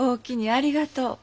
ありがとう。